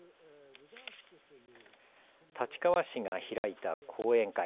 立川市が開いた講演会。